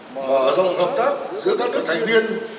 mở rộng hợp tác giữa các nước thành viên